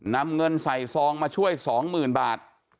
นำเงินใส่ซองมาช่วย๒๐๐๐บาท